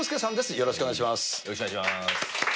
よろしくお願いします。